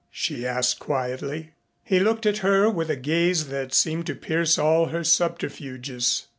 she asked quietly. He looked at her with a gaze that seemed to pierce all her subterfuges.